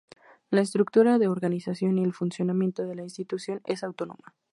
La estructura de organización y el funcionamiento de la Institución es autónoma.